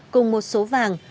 cùng một số vàng